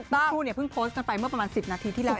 เมื่อกี้พึ่งโพสต์กันไปเมื่อประมาณ๑๐นาทีที่แล้ว